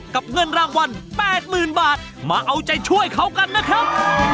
เงินรางวัล๘๐๐๐บาทมาเอาใจช่วยเขากันนะครับ